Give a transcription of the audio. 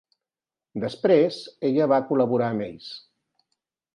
Després, ella va col·laborar amb ells.